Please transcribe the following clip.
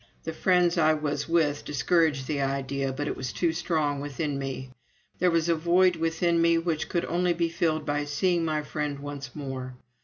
The friends I was with discouraged the idea, but it was too strong within me. There was a void within me which could only be filled by seeing my friend once more.